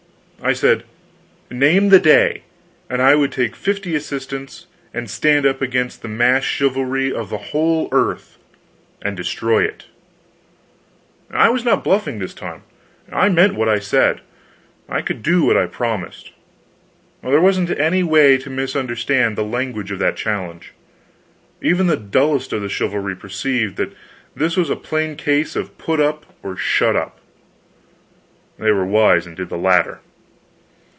I said, name the day, and I would take fifty assistants and stand up against the massed chivalry of the whole earth and destroy it. I was not bluffing this time. I meant what I said; I could do what I promised. There wasn't any way to misunderstand the language of that challenge. Even the dullest of the chivalry perceived that this was a plain case of "put up, or shut up." They were wise and did the latter.